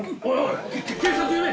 警察呼べ！